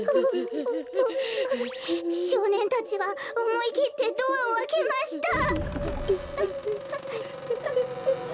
「少年たちは思い切ってドアを開けました」。